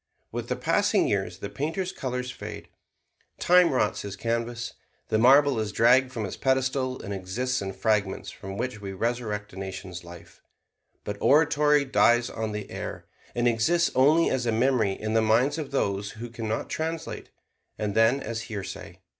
With the passing years the painter's colors fade; time rots his canvas; the marble is dragged from its pedestal and exists in fragments from which we resurrect a nation's life; but oratory dies on the air and exists only as a memory in the minds of those who can not translate, and then as hearsay.